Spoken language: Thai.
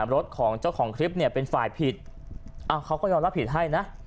รถของเจ้าของคลิปเนี่ยเป็นฝ่ายผิดเขาก็ยอมรับผิดให้นะ